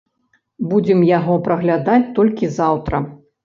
Будзем яго праглядаць толькі заўтра.